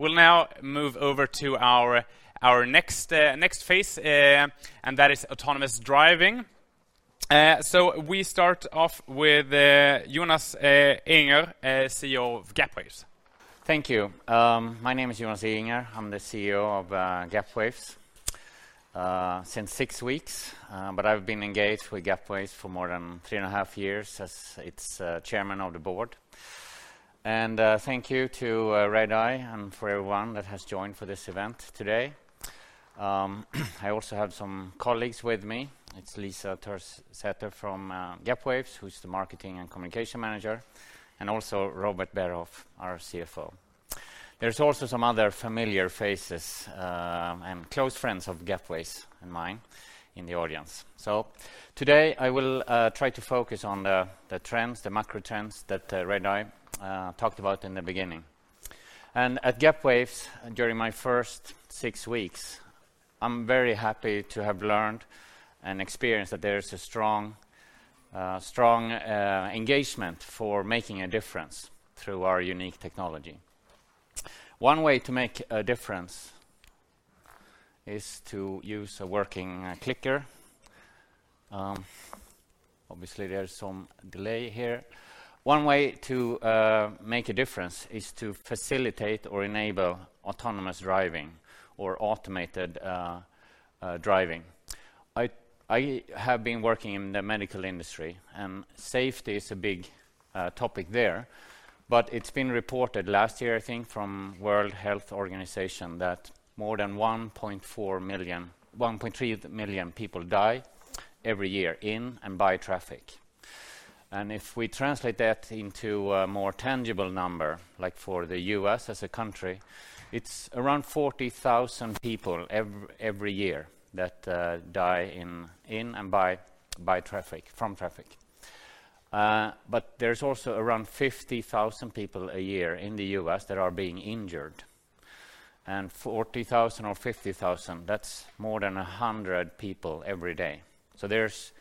We'll now move over to our next phase, and that is autonomous driving. We start off with Jonas Ehinger, CEO of Gapwaves. Thank you. My name is Jonas Ehinger. I'm the CEO of Gapwaves since six weeks. I've been engaged with Gapwaves for more than three and a half years as its chairman of the board. Thank you to Redeye and for everyone that has joined for this event today. I also have some colleagues with me. It's Lisa Törsäter from Gapwaves, who's the marketing and communication manager, and also Robert Berhof, our CFO. There's also some other familiar faces and close friends of Gapwaves and mine in the audience. Today I will try to focus on the trends, the macro trends that Redeye talked about in the beginning. At Gapwaves, during my first six weeks, I'm very happy to have learned and experienced that there's a strong engagement for making a difference through our unique technology. One way to make a difference is to use a working clicker. Obviously, there's some delay here. One way to make a difference is to facilitate or enable autonomous driving or automated driving. I have been working in the medical industry, and safety is a big topic there. It's been reported last year, I think, from World Health Organization, that more than 1.3 million people die every year in and by traffic. If we translate that into a more tangible number, like for the U.S. as a country, it's around 40,000 people every year that die in and by traffic from traffic. There's also around 50,000 people a year in the U.S. that are being injured, and 40,000 or 50,000, that's more than 100 people every day.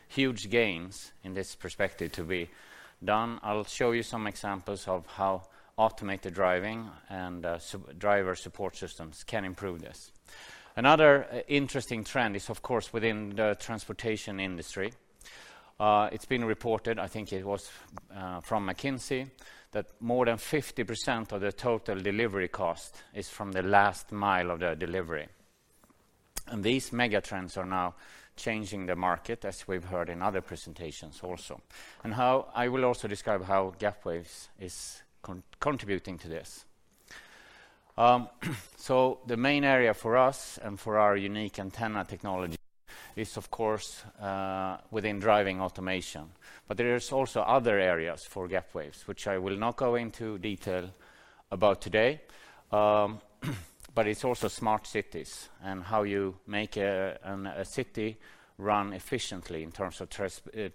There's huge gains in this perspective to be done. I'll show you some examples of how automated driving and driver support systems can improve this. Another interesting trend is of course within the transportation industry. It's been reported, I think it was, from McKinsey, that more than 50% of the total delivery cost is from the last mile of the delivery. These mega trends are now changing the market, as we've heard in other presentations also. I will also describe how Gapwaves is contributing to this. The main area for us and for our unique antenna technology is of course within driving automation. There is also other areas for Gapwaves, which I will not go into detail about today, but it's also smart cities and how you make a city run efficiently in terms of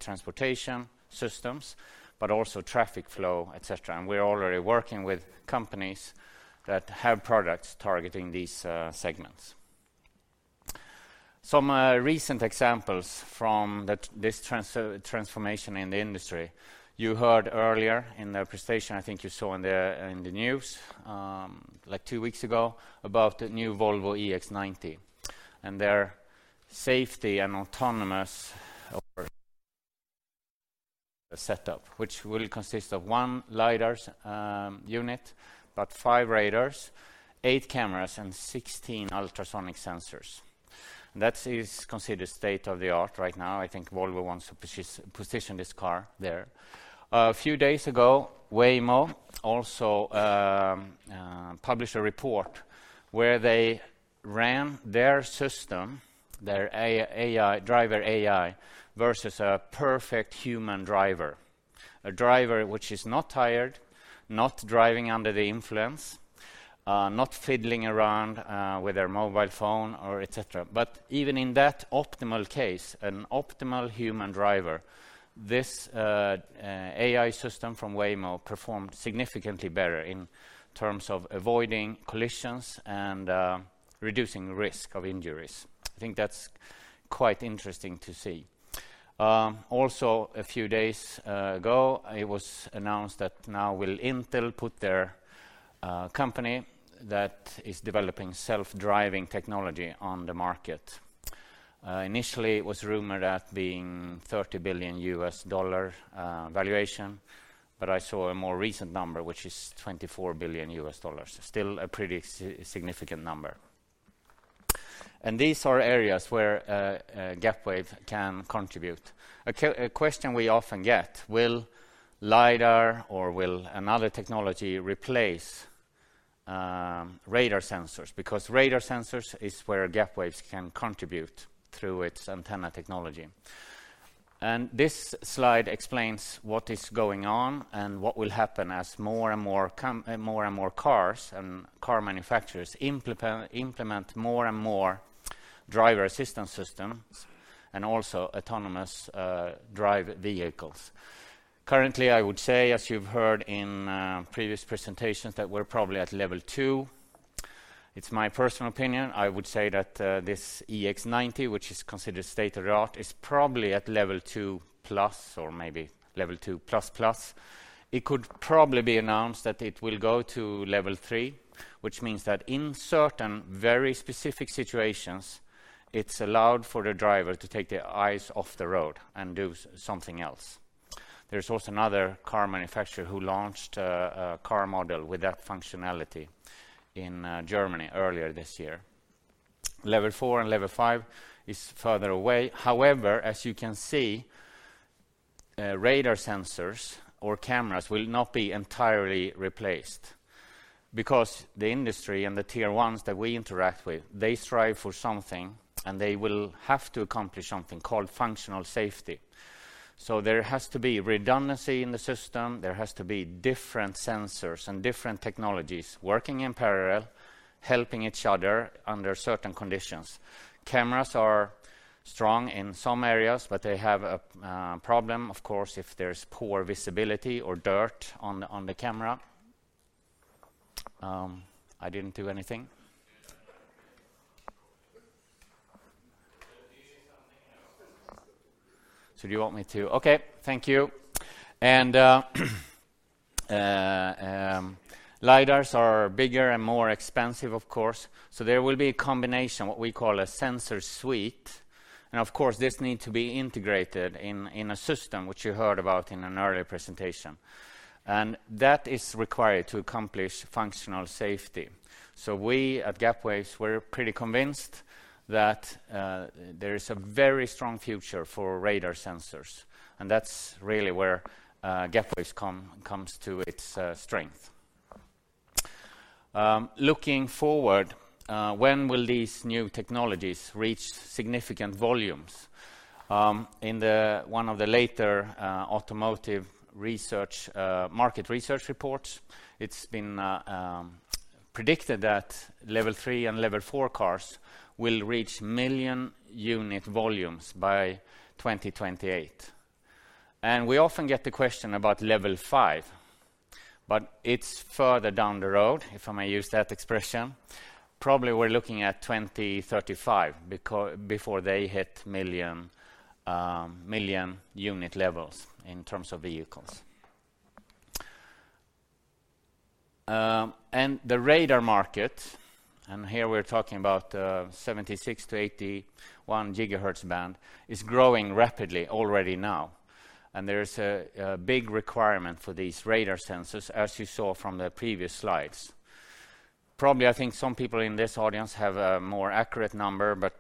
transportation systems, but also traffic flow, et cetera. We're already working with companies that have products targeting these segments. Some recent examples from this transformation in the industry. You heard earlier in the presentation, I think you saw in the news like two weeks ago, about the new Volvo EX90 and their safety and autonomous setup, which will consist of one LiDAR unit, about five radars, eight cameras, and 16 ultrasonic sensors. That is considered state-of-the-art right now. I think Volvo wants to position this car there. A few days ago, Waymo also published a report where they ran their system, their AI driver AI, versus a perfect human driver, a driver which is not tired, not driving under the influence, not fiddling around with their mobile phone or et cetera. Even in that optimal case, an optimal human driver, this AI system from Waymo performed significantly better in terms of avoiding collisions and reducing risk of injuries. I think that's quite interesting to see. Also, a few days ago, it was announced that now will Intel put their company that is developing self-driving technology on the market. Initially, it was rumored at being $30 billion valuation, but I saw a more recent number, which is $24 billion. Still a pretty significant number. These are areas where Gapwaves can contribute. A question we often get will LiDAR or will another technology replace radar sensors? Because radar sensors is where Gapwaves can contribute through its antenna technology. This slide explains what is going on and what will happen as more and more cars and car manufacturers implement more and more driver assistance systems and also autonomous drive vehicles. Currently, I would say, as you've heard in previous presentations, that we're probably at Level 2. It's my personal opinion, I would say that this EX90, which is considered state of the art, is probably at Level 2 plus or maybe Level 2 plus plus. It could probably be announced that it will go to Level 3, which means that in certain very specific situations, it's allowed for the driver to take their eyes off the road and do something else. There's also another car manufacturer who launched a car model with that functionality in Germany earlier this year. Level 4 and Level 5 is further away. However, as you can see, radar sensors or cameras will not be entirely replaced because the industry and the Tier 1s that we interact with, they strive for something, and they will have to accomplish something called functional safety. There has to be redundancy in the system. There has to be different sensors and different technologies working in parallel, helping each other under certain conditions. Cameras are strong in some areas, but they have a problem, of course, if there's poor visibility or dirt on the camera. I didn't do anything. Do you want me to? Okay, thank you. LiDARs are bigger and more expensive, of course. There will be a combination, what we call a sensor suite. Of course, this need to be integrated in a system which you heard about in an earlier presentation. That is required to accomplish functional safety. We at Gapwaves, we're pretty convinced that there is a very strong future for radar sensors, and that's really where Gapwaves comes to its strength. Looking forward, when will these new technologies reach significant volumes? In one of the latest automotive market research reports, it's been predicted that Level 3 and Level 4 cars will reach million unit volumes by 2028. We often get the question about Level 5, but it's further down the road, if I may use that expression. Probably we're looking at 2035 before they hit million unit levels in terms of vehicles. The radar market, here we're talking about 76–81 GHz band, is growing rapidly already now. There is a big requirement for these radar sensors, as you saw from the previous slides. Probably, I think some people in this audience have a more accurate number, but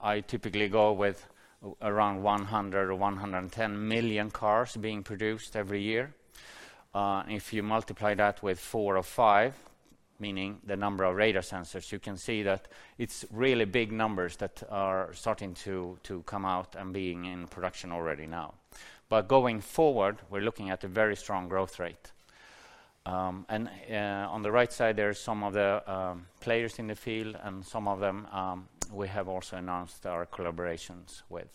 I typically go with around 100 or 110 million cars being produced every year. If you multiply that with four or five, meaning the number of radar sensors, you can see that it's really big numbers that are starting to come out and being in production already now. Going forward, we're looking at a very strong growth rate. On the right side, there are some of the players in the field and some of them we have also announced our collaborations with.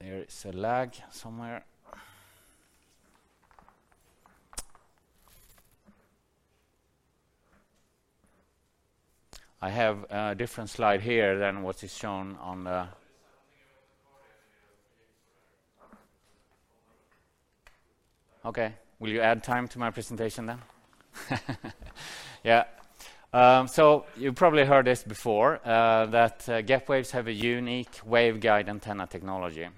There is a lag somewhere. I have a different slide here than what is shown. Okay. Will you add time to my presentation then? Yeah. You probably heard this before, that Gapwaves have a unique waveguide antenna technology,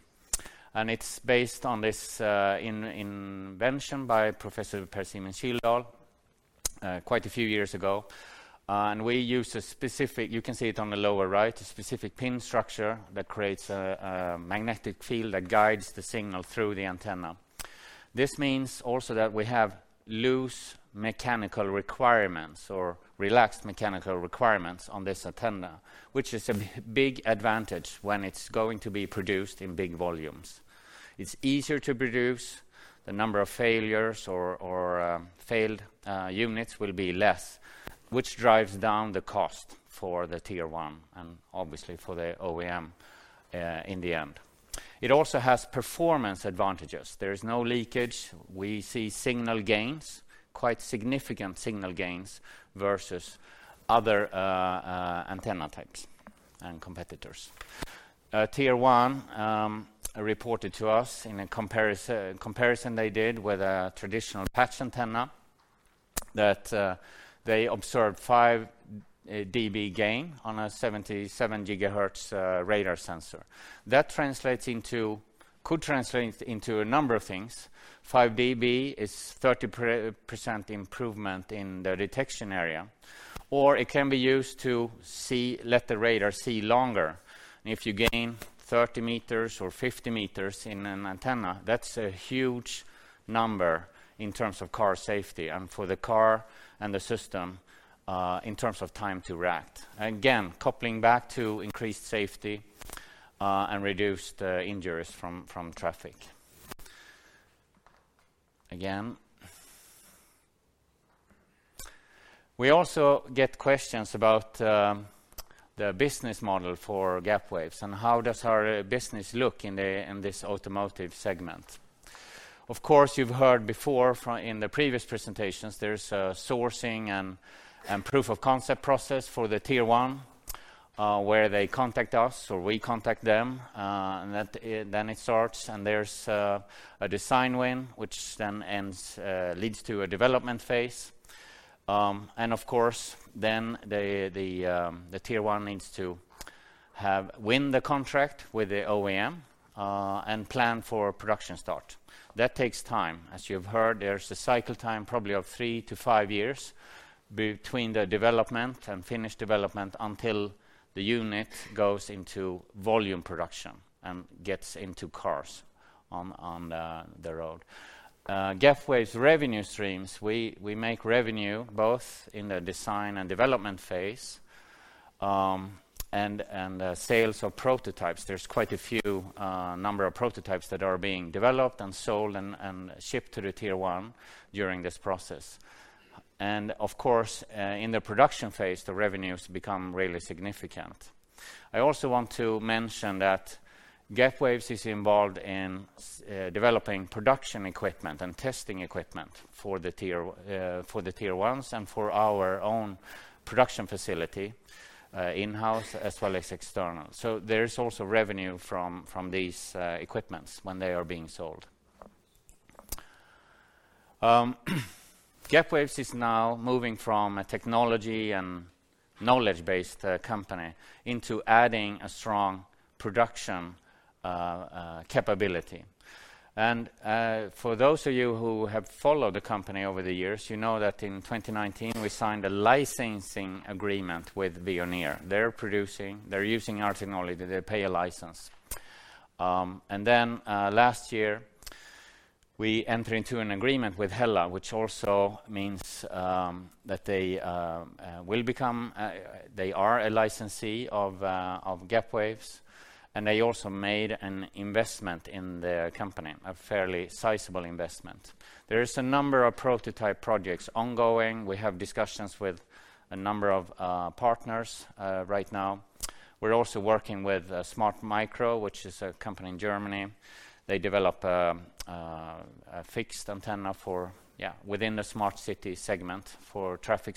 and it's based on this invention by Professor Per-Simon Kildal quite a few years ago. We use a specific, you can see it on the lower right, a specific pin structure that creates a magnetic field that guides the signal through the antenna. This means also that we have loose mechanical requirements or relaxed mechanical requirements on this antenna, which is a big advantage when it's going to be produced in big volumes. It's easier to produce. The number of failures or failed units will be less, which drives down the cost for the Tier 1 and obviously for the OEM in the end. It also has performance advantages. There is no leakage. We see signal gains, quite significant signal gains versus other antenna types and competitors. A Tier 1 reported to us in a comparison they did with a traditional patch antenna that they observed 5 dB gain on a 77 GHz radar sensor. That translates into a number of things. 5 dB is 30% improvement in the detection area, or it can be used to see, let the radar see longer. If you gain 30 meters or 50 meters in an antenna, that's a huge number in terms of car safety and for the car and the system in terms of time to react. Coupling back to increased safety and reduced injuries from traffic. We also get questions about the business model for Gapwaves and how does our business look in this automotive segment? Of course, you've heard before from the previous presentations. There's a sourcing and proof of concept process for the Tier 1 where they contact us or we contact them and that then it starts and there's a design win which then leads to a development phase. Of course, then the Tier 1 needs to have won the contract with the OEM and plan for production start. That takes time. As you've heard, there's a cycle time probably of three o five years between the development and finished development until the unit goes into volume production and gets into cars on the road. Gapwaves' revenue streams, we make revenue both in the design and development phase, and sales of prototypes. There's quite a few number of prototypes that are being developed and sold and shipped to the Tier 1 during this process. Of course, in the production phase, the revenues become really significant. I also want to mention that Gapwaves is involved in developing production equipment and testing equipment for the Tier 1s and for our own production facility, in-house as well as external. There is also revenue from these equipments when they are being sold. Gapwaves is now moving from a technology and knowledge-based company into adding a strong production capability. For those of you who have followed the company over the years, you know that in 2019 we signed a licensing agreement with Veoneer. They're producing, they're using our technology, they pay a license. Last year, we enter into an agreement with HELLA, which also means that they are a licensee of Gapwaves, and they also made an investment in the company, a fairly sizable investment. There is a number of prototype projects ongoing. We have discussions with a number of partners right now. We're also working with smartmicro, which is a company in Germany. They develop a fixed antenna for within the smart city segment for traffic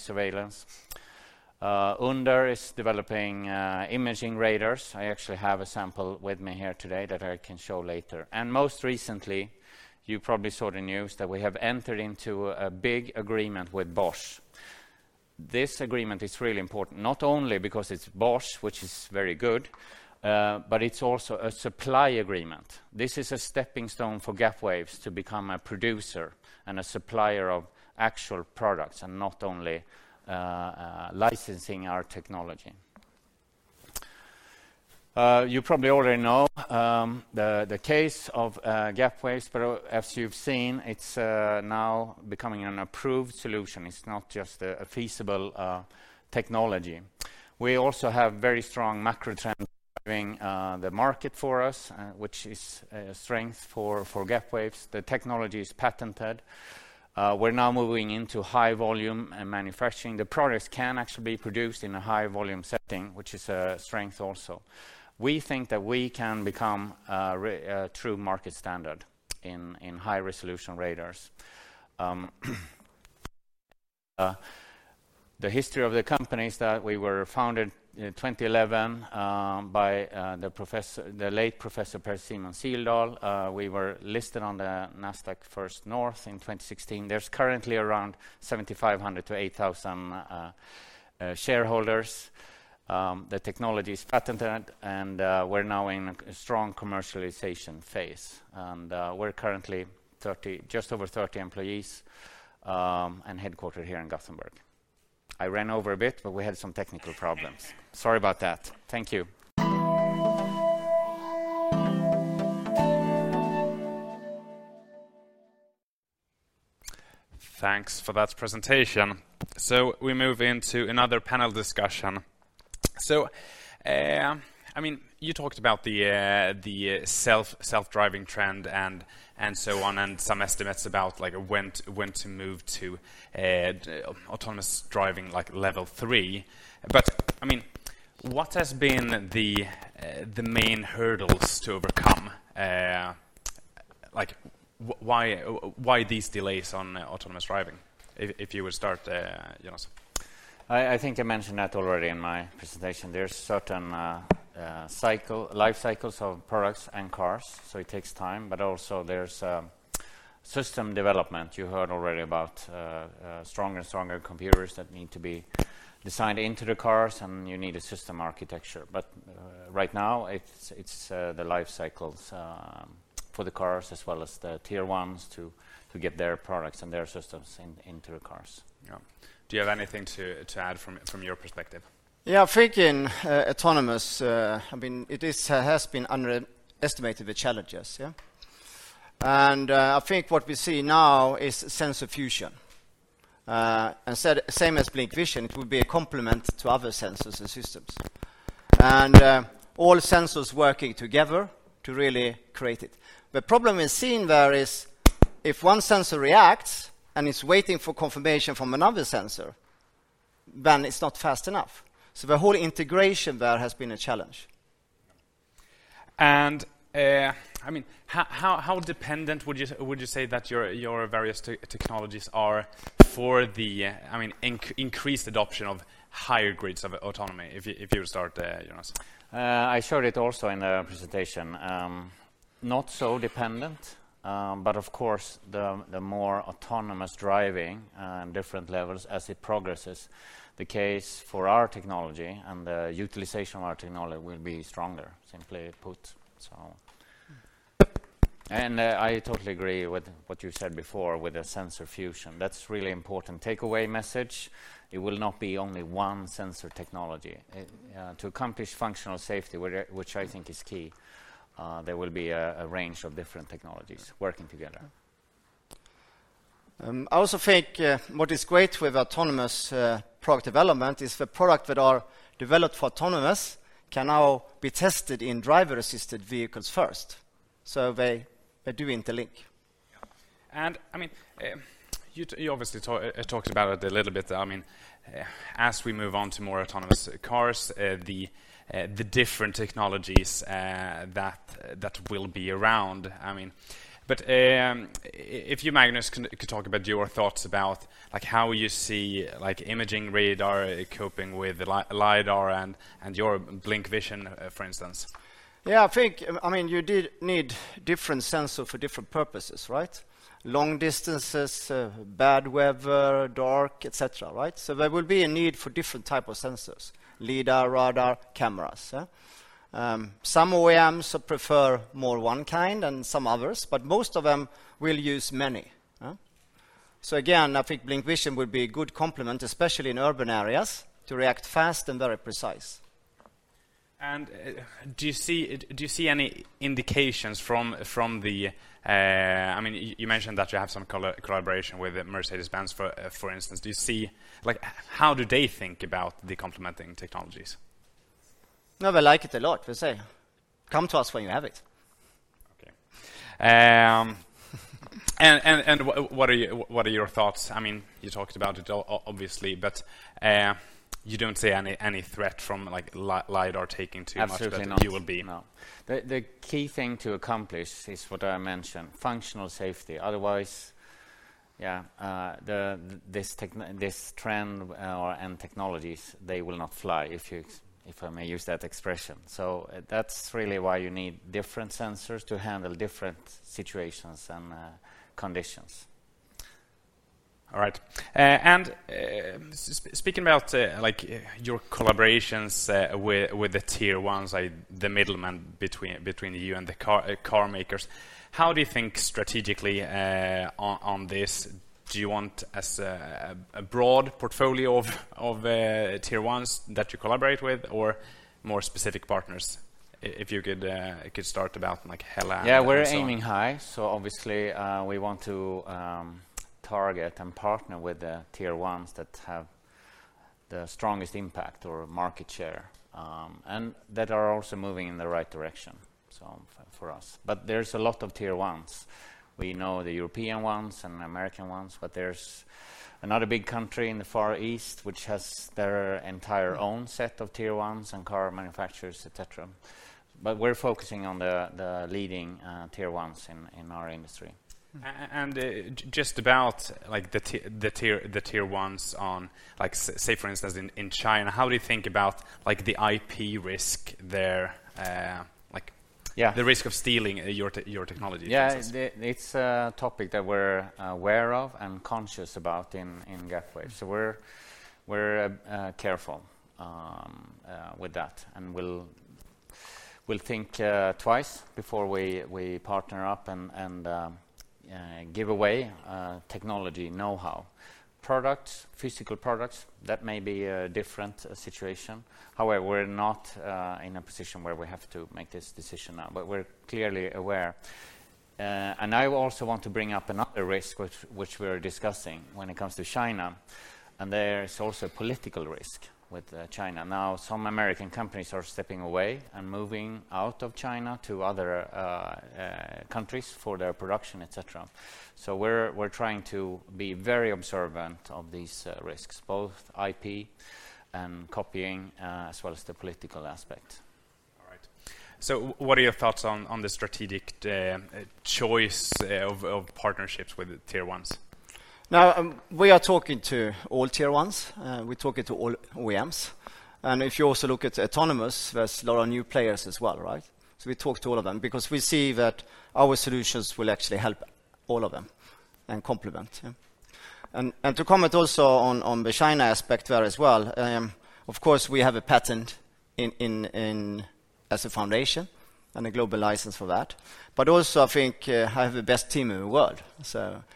surveillance. Another is developing imaging radars. I actually have a sample with me here today that I can show later. Most recently, you probably saw the news that we have entered into a big agreement with Bosch. This agreement is really important, not only because it's Bosch, which is very good, but it's also a supply agreement. This is a stepping stone for Gapwaves to become a producer and a supplier of actual products and not only licensing our technology. You probably already know the case of Gapwaves, but as you've seen, it's now becoming an approved solution. It's not just a feasible technology. We also have very strong macro trends driving the market for us, which is a strength for Gapwaves. The technology is patented. We're now moving into high volume and manufacturing. The products can actually be produced in a high volume setting, which is a strength also. We think that we can become a true market standard in high-resolution radars. The history of the company is that we were founded in 2011 by the professor, the late Professor Per-Simon Kildal. We were listed on the Nasdaq First North in 2016. There's currently around 7,500-8,000 shareholders. The technology is patented, and we're now in a strong commercialization phase. We're currently 30, just over 30 employees, and headquartered here in Gothenburg. I ran over a bit, but we had some technical problems. Sorry about that. Thank you. Thanks for that presentation. We move into another panel discussion. I mean, you talked about the self-driving trend and so on, and some estimates about like when to move to autonomous driving, like level three. I mean, what has been the main hurdles to overcome? Like why these delays on autonomous driving? If you would start, Jonas. I think I mentioned that already in my presentation. There's certain life cycles of products and cars, so it takes time. Also there's system development. You heard already about stronger and stronger computers that need to be designed into the cars, and you need a system architecture. Right now it's the life cycles for the cars as well as the Tier 1s to get their products and their systems into the cars. Yeah. Do you have anything to add from your perspective? Yeah. I think in autonomous, I mean, it has been underestimated the challenges, yeah? I think what we see now is sensor fusion. Same as Hugin, it will be a complement to other sensors and systems. All sensors working together to really create it. The problem we're seeing there is if one sensor reacts and it's waiting for confirmation from another sensor, then it's not fast enough. The whole integration there has been a challenge. I mean, how dependent would you say that your various technologies are for the, I mean, increased adoption of higher grades of autonomy, if you start, Jonas? I showed it also in the presentation. Not so dependent, but of course, the more autonomous driving on different levels as it progresses, the case for our technology and the utilization of our technology will be stronger, simply put. I totally agree with what you said before with the sensor fusion. That's a really important takeaway message. It will not be only one sensor technology. To accomplish functional safety, which I think is key, there will be a range of different technologies working together. I also think what is great with autonomous product development is the product that are developed for autonomous can now be tested in driver-assisted vehicles first, so they do interlink. Yeah. I mean, you obviously talked about it a little bit. I mean, as we move on to more autonomous cars, the different technologies that will be around. I mean, if you,, could talk about your thoughts about, like, how you see, like, imaging radar coping with LiDAR and your Hugin, for instance. Yeah, I think, I mean, you did need different sensor for different purposes, right? Long distances, bad weather, dark, et cetera, right? There will be a need for different type of sensors, LiDAR, radar, cameras. Some OEMs prefer more one kind than some others, but most of them will use many. Again, I think Hugin will be a good complement, especially in urban areas, to react fast and very precise. Do you see any indications from the I mean, you mentioned that you have some collaboration with Mercedes-Benz, for instance. Do you see, like, how do they think about the complementing technologies? No, they like it a lot, per se. Come to us when you have it. Okay. What are your thoughts? I mean, you talked about it obviously, but you don't see any threat from, like, LiDAR taking too much. Absolutely not. But you will be. No. The key thing to accomplish is what I mentioned, functional safety. Otherwise, this trend and technologies, they will not fly, if I may use that expression. That's really why you need different sensors to handle different situations and conditions. All right. Speaking about, like, your collaborations with the Tier 1s, like the middleman between you and the car makers, how do you think strategically on this? Do you want a broad portfolio of Tier 1s that you collaborate with or more specific partners? If you could start about, like, HELLA and so on. Yeah, we're aiming high, so obviously we want to target and partner with the Tier 1s that have the strongest impact or market share, and that are also moving in the right direction, so for us. There's a lot of Tier 1s. We know the European ones and American ones, but there's another big country in the Far East, which has their entire own set of Tier 1s and car manufacturers, et cetera. We're focusing on the leading Tier 1s in our industry. Just about, like, the Tier 1s in, like, say for instance in China, how do you think about, like, the IP risk there? Yeah The risk of stealing your technology, for instance. Yeah. It's a topic that we're aware of and conscious about in Gapwaves. We're careful with that. We'll think twice before we partner up and give away technology knowhow. Products, physical products, that may be a different situation. However, we're not in a position where we have to make this decision now. We're clearly aware. I also want to bring up another risk which we're discussing when it comes to China, and there is also political risk with China. Now, some American companies are stepping away and moving out of China to other countries for their production, et cetera. We're trying to be very observant of these risks, both IP and copying as well as the political aspect. What are your thoughts on the strategic choice of partnerships with the Tier 1s? Now, we are talki ng to all Tier 1s, we're talking to all OEMs. If you also look at autonomous, there's a lot of new players as well, right? We talk to all of them because we see that our solutions will actually help all of them and complement, yeah. To comment also on the China aspect there as well, of course, we have a patent in as a foundation and a global license for that. Also, I think, I have the best team in the world.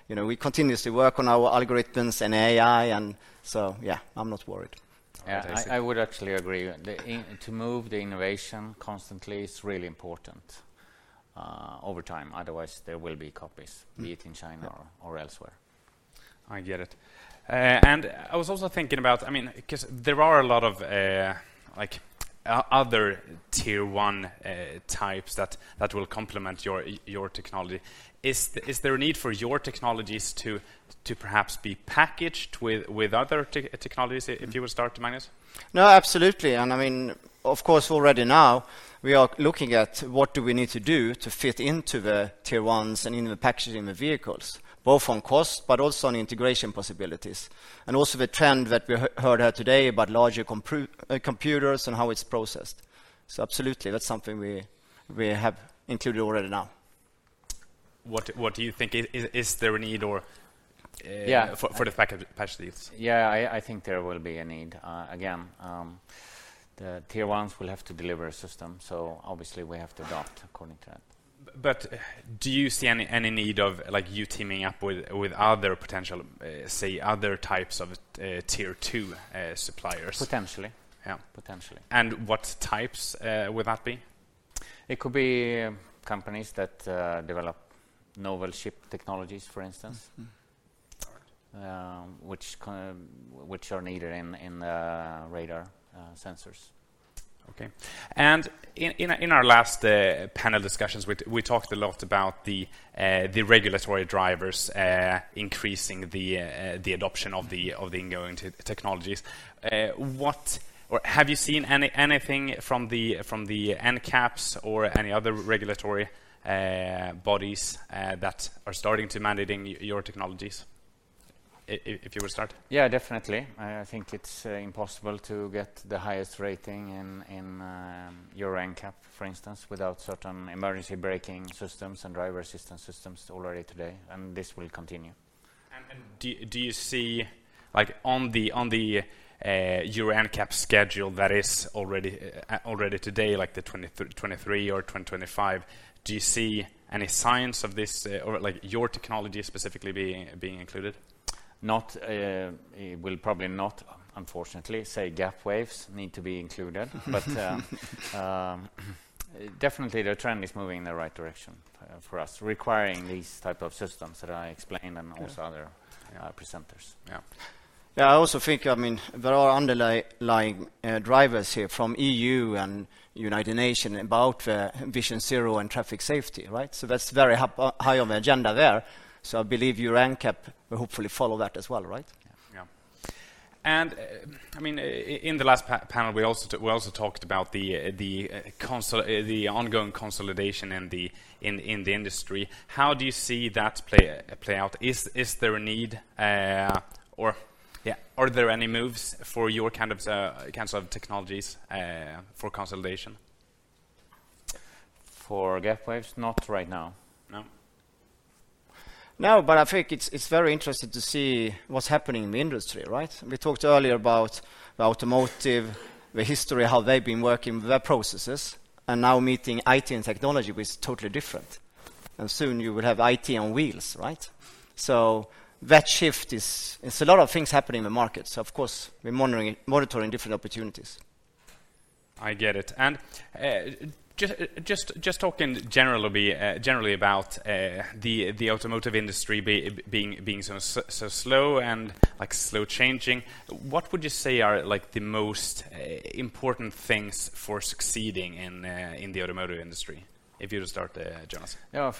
You know, we continuously work on our algorithms and AI and so, yeah, I'm not worried. Yeah. I would actually agree. To move the innovation constantly is really important over time. Otherwise, there will be copies, be it in China or elsewhere. I get it. I was also thinking about, I mean, because there are a lot of, like other Tier 1 types that will complement your technology. Is there a need for your technologies to perhaps be packaged with other technologies, if you will start, Magnus? No, absolutely. I mean, of course, already now we are looking at what do we need to do to fit into the Tier 1s and in the packaging the vehicles, both on cost, but also on integration possibilities. Also the trend that we heard here today about larger computers and how it's processed. Absolutely, that's something we have included already now. What do you think? Is there a need or? Yeah. For the packages? Yeah, I think there will be a need. Again, the Tier 1s will have to deliver a system, so obviously we have to adapt according to that. Do you see any need of like you teaming up with other potential, say, other types of Tier 2 suppliers? Potentially. Yeah. Potentially. What types would that be? It could be companies that develop novel chip technologies, for instance. Mm-hmm. All right. Which are needed in the radar sensors? Okay. In our last panel discussions, we talked a lot about the regulatory drivers increasing the adoption of the ongoing technologies. What have you seen anything from the NCAPs or any other regulatory bodies that are starting to mandating your technologies? If you will start. Yeah, definitely. I think it's impossible to get the highest rating in Euro NCAP, for instance, without certain emergency braking systems and driver assistance systems already today, and this will continue. Do you see like, on the Euro NCAP schedule that is already today, like the 2023 or 2025, do you see any signs of this or like your technology specifically being included? No, it will probably not, unfortunately. Gapwaves need to be included. Definitely the trend is moving in the right direction for us, requiring these type of systems that I explained. Yeah. Also other presenters. Yeah. Yeah, I also think, I mean, there are underlying drivers here from EU and United Nations about Vision Zero and traffic safety, right? That's very high on the agenda there. I believe Euro NCAP will hopefully follow that as well, right? I mean, in the last panel, we also talked about the ongoing consolidation in the industry. How do you see that play out? Is there a need, or are there any moves for your kinds of technologies for consolidation? For Gapwaves? Not right now. No? No, but I think it's very interesting to see what's happening in the industry, right? We talked earlier about the automotive, the history, how they've been working with their processes, and now meeting IT and technology, which is totally different. Soon you will have IT on wheels, right? That shift is. It's a lot of things happening in the market. Of course, we're monitoring different opportunities. I get it. Just talking generally about the automotive industry being so slow and like slow-changing, what would you say are like the most important things for succeeding in the automotive industry? If you will start, Jonas. Yeah.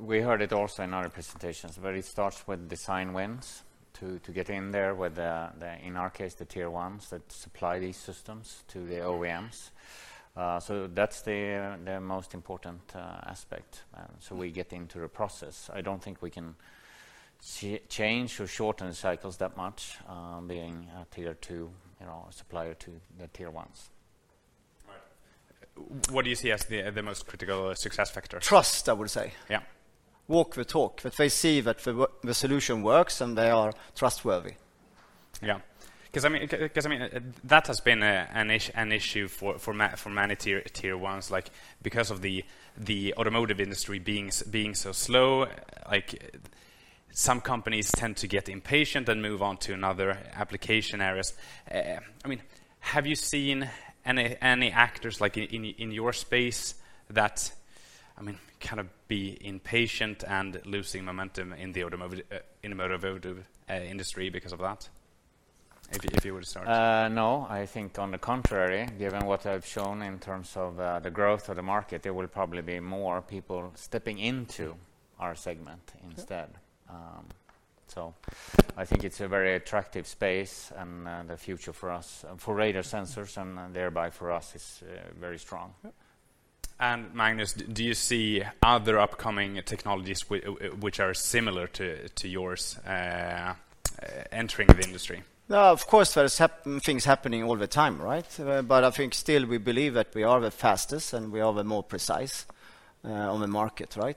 We heard it also in other presentations, where it starts with design wins to get in there with the, in our case, the Tier 1s that supply these systems to the OEMs. So that's the most important aspect, so we get into the process. I don't think we can change or shorten cycles that much, being a Tier 2, you know, supplier to the Tier 1s. All right. What do you see as the most critical success factor? Trust, I would say. Yeah. Walk the talk. That they see that the solution works, and they are trustworthy. Yeah. 'Cause I mean, that has been an issue for many Tier 1s, like, because of the automotive industry being so slow, like some companies tend to get impatient and move on to another application areas. I mean, have you seen any actors like in your space that, I mean, kind of be impatient and losing momentum in the automotive industry because of that? If you would start. No. I think on the contrary, given what I've shown in terms of, the growth of the market, there will probably be more people stepping into our segment instead. Okay. I think it's a very attractive space, and the future for us, for radar sensors and thereby for us is very strong. Yeah., do you see other upcoming technologies which are similar to yours entering the industry? No, of course there's things happening all the time, right? I think still we believe that we are the fastest, and we are the more precise on the market, right?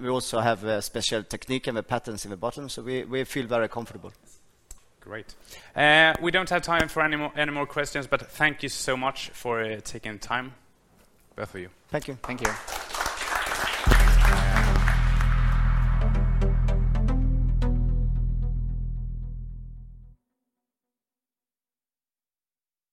We also have a special technique and the patents in the bottom, so we feel very comfortable. Great. We don't have time for any more questions, but thank you so much for taking the time, both of you. Thank you. Thank you.